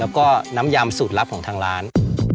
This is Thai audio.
แล้วก็น้ำยำสูตรลับของทางร้าน